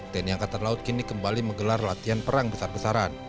tni angkatan laut kini kembali menggelar latihan perang besar besaran